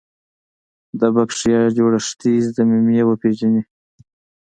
د بکټریا جوړښتي ضمیمې وپیژني.